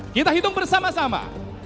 kita hitung bersama sama